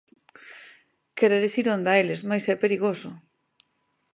Queredes ir onda eles, mais é perigoso